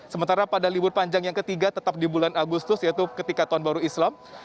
sementara pada libur panjang yang ketiga tetap di bulan agustus yaitu ketika tahun baru islam